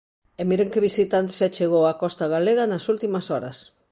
E miren que visitante se achegou á costa galega nas últimas horas.